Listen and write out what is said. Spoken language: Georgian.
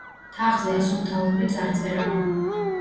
თაღზე ასომთავრული წარწერაა.